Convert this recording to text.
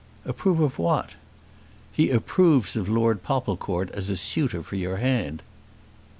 "Approve of what?" "He approves of Lord Popplecourt as a suitor for your hand."